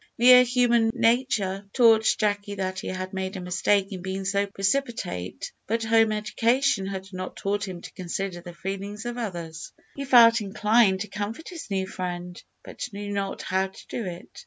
Mere human nature taught Jacky that he had made a mistake in being so precipitate: but home education had not taught him to consider the feelings of others. He felt inclined to comfort his new friend, but knew not how to do it.